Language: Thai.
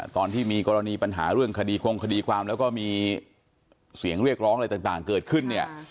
ตอนที่มีกรณีปัญหาเรื่องคดีคงคดีความแล้วก็มีเสียงเรียกร้องอะไรต่างเกิดขึ้นเนี่ย